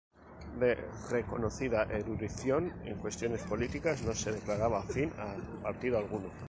De reconocida erudición, en cuestiones políticas no se declaraba afín a partido alguno.